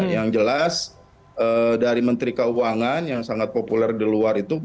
yang jelas dari menteri keuangan yang sangat populer di luar itu